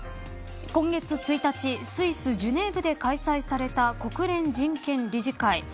今月１日スイス、ジュネーブで開催された国連人権理事会。